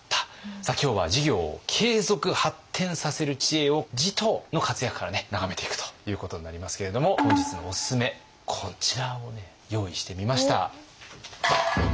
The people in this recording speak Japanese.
今日は事業を継続・発展させる知恵を持統の活躍から眺めていくということになりますけれども本日のおすすめこちらをね用意してみました。